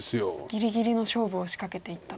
ぎりぎりの勝負を仕掛けていったと。